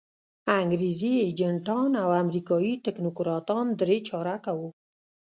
انګریزي ایجنټان او امریکایي تکنوکراتان درې چارکه وو.